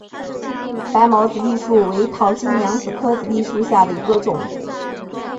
白毛子楝树为桃金娘科子楝树属下的一个种。